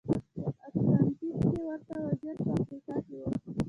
په اتلانتیک کې ورته وضعیت په افریقا کې و.